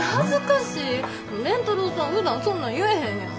蓮太郎さんふだんそんなん言えへんやん。